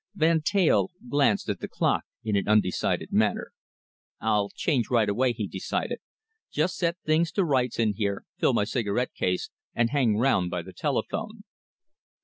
Van Teyl glanced at the clock in an undecided manner. "I'll change right away," he decided. "Just set things to rights in here, fill my cigarette case, and hang round by the telephone."